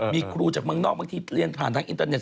มีครูจากเมืองนอกบางทีเรียนผ่านทางอินเตอร์เน็